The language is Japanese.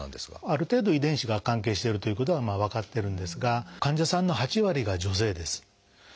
ある程度遺伝子が関係しているということは分かってるんですが患者さんの８割が女性です。